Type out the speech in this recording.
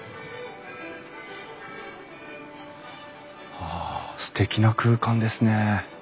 わあすてきな空間ですね。